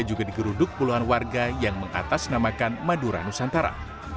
juga digeruduk puluhan warga yang mengatasnamakan madura nusantara